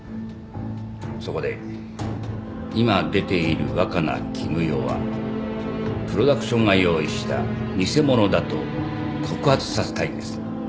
そこで今出ている若菜絹代はプロダクションが用意した偽者だと告発させたいんです。